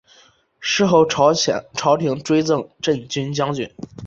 事后朝廷追赠镇军将军。